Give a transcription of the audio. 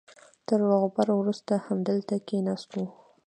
تر روغبړ وروسته همدلته کېناستو.